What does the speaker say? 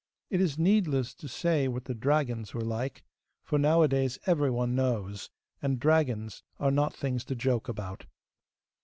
It is needless to say what the dragons were like, for nowadays everyone knows, and dragons are not things to joke about.